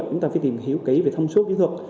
chúng ta phải tìm hiểu kỹ về thông suốt kỹ thuật